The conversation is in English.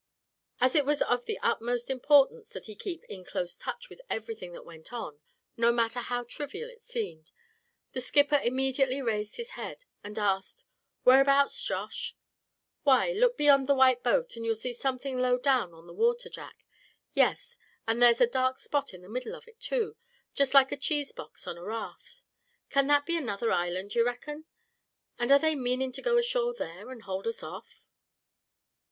As it was of the utmost importance that he keep in close touch with everything that went on, no matter how trivial it seemed, the skipper immediately raised his head, and asked: "Where abouts, Josh?" "Why, look beyond the white boat, and you'll see something low down on the water, Jack. Yes, and there's a dark spot in the middle of it, too, just like a cheese box on a raft. Can that be another island, d'ye reckon; and are they meanin' to go ashore there, and hold us off?"